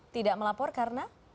tidak melapor karena